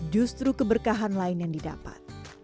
justru keberkahan lain yang didapat